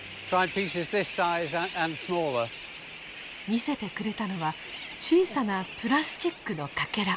見せてくれたのは小さなプラスチックのかけら。